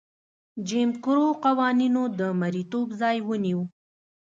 جیم کرو قوانینو د مریتوب ځای ونیو.